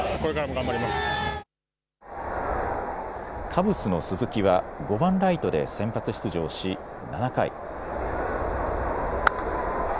カブスの鈴木は５番・ライトで先発出場し７回。